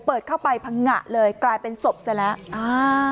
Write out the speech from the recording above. เปิดเข้าไปพังงะเลยกลายเป็นศพซะแล้วอ่า